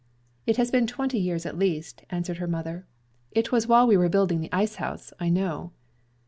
"It has been twenty years at least," answered her mother. "It was while we were building the ice house, I know."